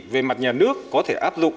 về mặt nhà nước có thể áp dụng